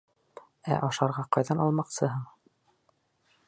— Ә ашарға ҡайҙан алмаҡсыһың?